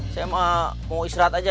saya mau istirahat aja